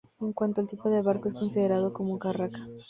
En cuanto al tipo de barco es considerado como carraca.